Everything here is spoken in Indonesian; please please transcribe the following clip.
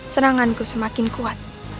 seranganku semakin kuat